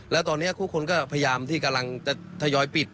แล้วตอนนี้ทุกคนก็พยายามที่กำลังจะทยอยปิด